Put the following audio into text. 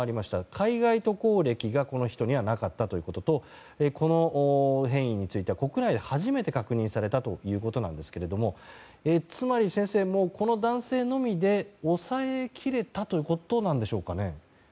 海外渡航歴がこの人にはなかったということとこの変異については国内で初めて確認されたということですがつまり、先生この男性のみで抑えきれたということでしょうか。